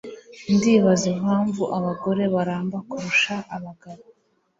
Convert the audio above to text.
Ndibaza impamvu abagore baramba kurusha abagabo